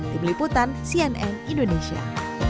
tim liputan cnn indonesia